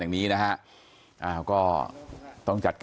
ไม่เกี่ยวหรอก